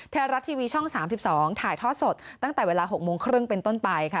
ไทยรัฐทีวีช่อง๓๒ถ่ายทอดสดตั้งแต่เวลา๖โมงครึ่งเป็นต้นไปค่ะ